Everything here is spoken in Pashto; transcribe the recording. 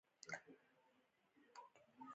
انګرېزان د پاچا په درخواستونو ښه خبر وو.